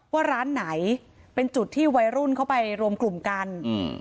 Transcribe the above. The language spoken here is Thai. ว่าร้านไหนเป็นจุดที่วัยรุ่นเขาไปรวมกลุ่มกันอืม